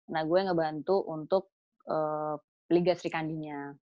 nah gue ngebantu untuk liga serikandi nya